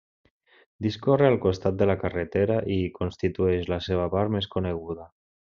Discorre al costat de la carretera i constitueix la seva part més coneguda.